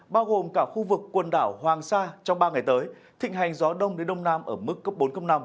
bao gồm cả khu vực quần đảo hoàng sa trong ba ngày tới thịnh hành gió đông đến đông nam ở mức cấp bốn năm